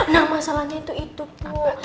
nah masalahnya itu itu bu